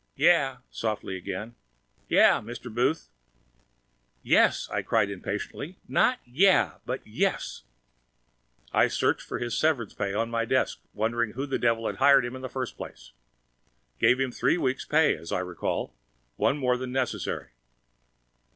'" "Yeah ..." softly again. "Yeah, Mr. Booth." "Yes!" I cried impatiently. "Not 'yeah,' but yes!" I searched for his severance pay on my desk, wondering who the devil had hired him in the first place. Gave him three weeks pay, as I recall it, one more than necessary.